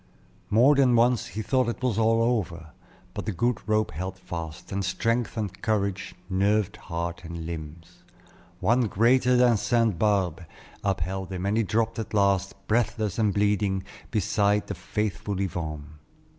More than once he thought it was all over; but the good rope held fast, and strength and courage nerved heart and limbs. One greater than St. Barbe upheld him, and he dropped at last, breathless and bleeding, beside the faithful Yvonne.